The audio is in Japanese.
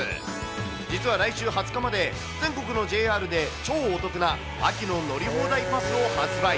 実は来週２０日まで全国のＪＲで超お得な秋の乗り放題パスを発売。